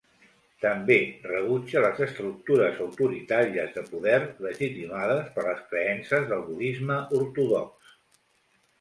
També rebutja les estructures autoritàries de poder legitimades per les creences del budisme ortodox.